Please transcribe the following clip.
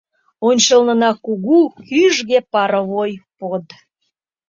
Ончылнына кугу, кӱжгӧ паровой под.